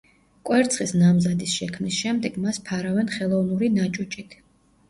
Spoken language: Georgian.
კვერცხის ნამზადის შექმნის შემდეგ, მას ფარავენ ხელოვნური ნაჭუჭით.